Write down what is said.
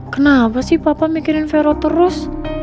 kenapa sih papa mikirin vero terus